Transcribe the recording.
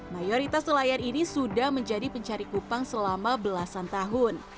mayoritas nelayan ini sudah menjadi pencari kupang selama belasan tahun